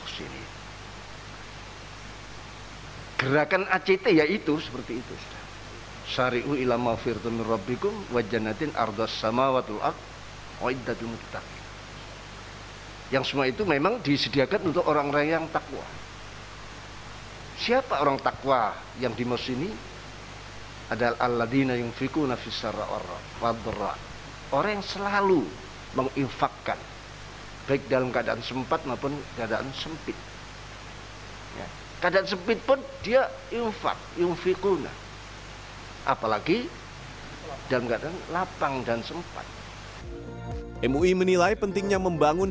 sinergi ulama dan umat ini diharapkan bisa mengurangi beban masyarakat dan pemerintah yang dihantam pandemi covid sembilan belas